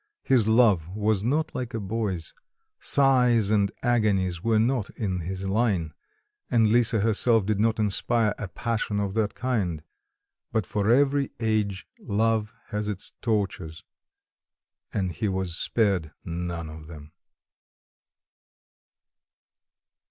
His love was not like a boy's; sighs and agonies were not in his line, and Lisa herself did not inspire a passion of that kind; but for every age love has its tortures and he was spared none of them.